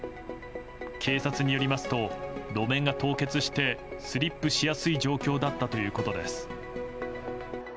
警察によりますと路面が凍結してスリップしやすい状況だったということです。